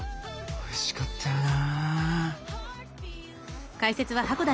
おいしかったよな。